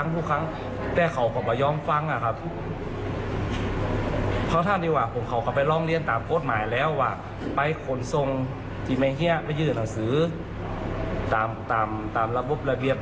สหรัฐการณ์ลองโทษทั่วไปกลับมา๕เบื่อมแล้ว